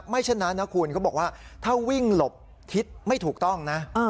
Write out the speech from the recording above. เช่นนั้นนะคุณเขาบอกว่าถ้าวิ่งหลบทิศไม่ถูกต้องนะ